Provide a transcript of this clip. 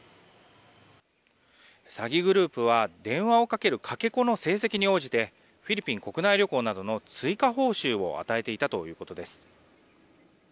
詐欺グループは電話をかけるかけ子の成績に応じてフィリピン国内旅行などの追加報酬を与えていたということです。